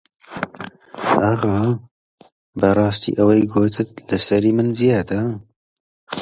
ئاغا بەڕاستی ئەوی گوتت لە سەری من زیادە